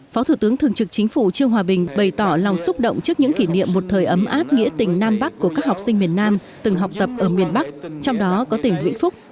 phó thủ tướng thường trực chính phủ trương hòa bình bày tỏ lòng xúc động trước những kỷ niệm một thời ấm áp nghĩa tình nam bắc của các học sinh miền nam từng học tập ở miền bắc trong đó có tỉnh vĩnh phúc